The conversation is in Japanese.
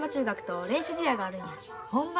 ほんま。